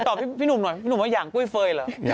ตอบพี่หนูหน่อยหนูลง่วงว่ายางกุ้ยเฟย์เราระ